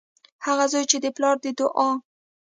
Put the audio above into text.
هغه زوی چې د پلار د دعا